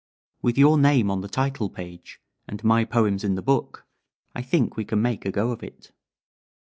With your name on the title page and my poems in the book I think we can make a go of it."